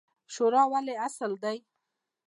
شورا ولې اصل دی؟